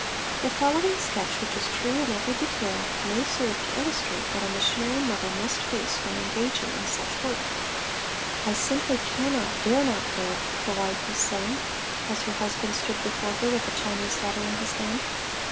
The following sketch which is true in every detail may serve to illustrate what a missionary mother must face when engaging in such work. "I simply cannot, dare not, go," the wife was saying as her husband stood before her with a Chinese letter in his hand.